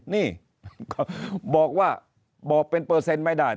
นี่บอกว่าบอกเป็นเปอร์เซ็นต์ไม่ได้